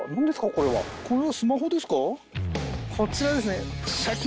これはこれはスマホですか？